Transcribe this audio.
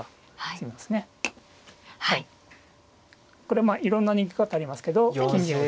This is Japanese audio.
これまあいろんな逃げ方ありますけど。